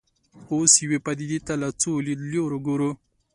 اوس یوې پدیدې ته له څو لیدلوریو ګورو.